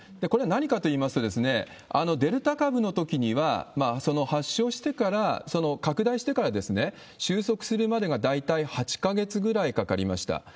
これは何かといいますと、デルタ株のときには、発症してから、拡大してから収束するまでが大体８か月ぐらいかかりました。